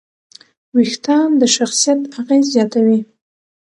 وېښتيان د شخصیت اغېز زیاتوي.